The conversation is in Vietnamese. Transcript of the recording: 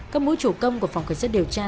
các mũi chủ công của phòng cảnh sát điều tra